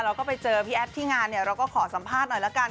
เราก็ไปเจอพี่แอฟที่งานเนี่ยเราก็ขอสัมภาษณ์หน่อยละกัน